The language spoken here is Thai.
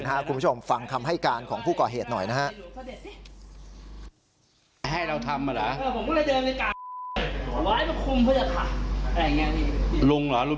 คุณผู้ชมฟังคำให้การของผู้ก่อเหตุหน่อยนะฮะ